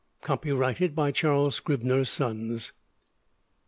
Copyrighted by Charles Scribner's Sons.